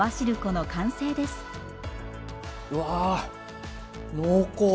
うわ濃厚！